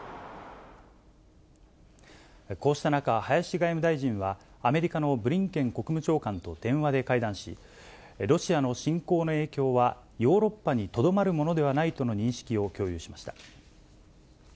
こうした中、林外務大臣は、アメリカのブリンケン国務長官と電話で会談し、ロシアの侵攻の影響は、ヨーロッパにとどまるものではないとの認識を共有しました。